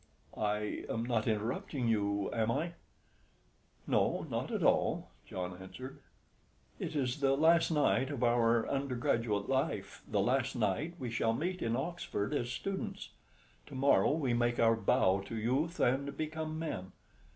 I am not interrupting you, am I?" "No, not at all," John answered. "It is the last night of our undergraduate life, the last night we shall meet in Oxford as students. To morrow we make our bow to youth and become men.